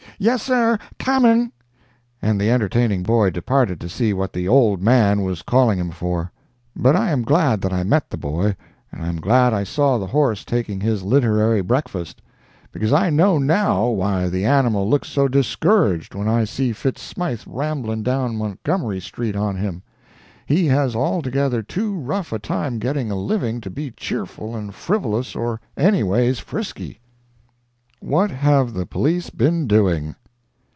Yes, sir, coming!" and the entertaining boy departed to see what the "old man" was calling him for. But I am glad that I met the boy, and I am glad I saw the horse taking his literary breakfast, because I know now why the animal looks so discouraged when I see Fitz Smythe rambling down Montgomery street on him—he has altogether too rough a time getting a living to be cheerful and frivolous or anyways frisky. WHAT HAVE THE POLICE BEEN DOING?